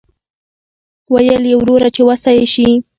ویل یې وروره چې وسه یې وشي.